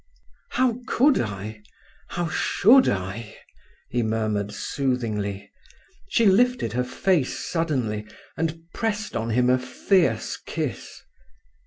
"How could I? How should I?" he murmured soothingly. She lifted her face suddenly and pressed on him a fierce kiss.